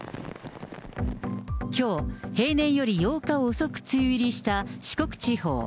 きょう、平年より８日遅く梅雨入りした四国地方。